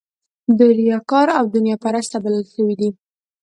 دوی ریاکار او دنیا پرسته بلل شوي دي.